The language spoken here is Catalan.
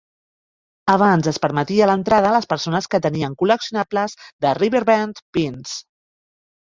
Abans es permetia l'entrada a les persones que tenien col·leccionables de "Riverbend Pins".